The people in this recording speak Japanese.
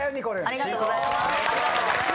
ありがとうございます。